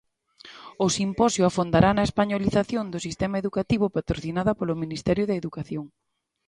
O simposio afondará na españolización do sistema educativo patrocinada polo ministerio de Educación.